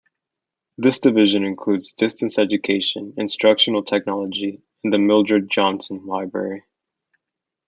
This division includes Distance Education, Instructional Technology and the Mildred Johnson Library.